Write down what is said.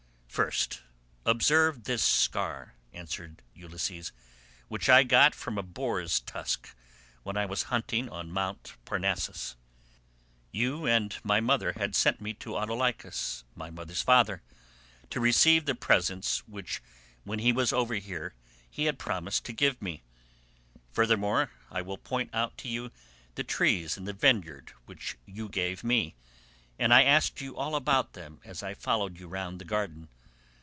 "First observe this scar," answered Ulysses, "which I got from a boar's tusk when I was hunting on Mt. Parnassus. You and my mother had sent me to Autolycus, my mother's father, to receive the presents which when he was over here he had promised to give me. Furthermore I will point out to you the trees in the vineyard which you gave me, and I asked you all about them as I followed you round the garden.